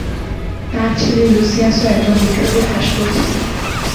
তার ছেলে লুসিয়াসও একজন বিখ্যাত ভাস্কর ছিলেন।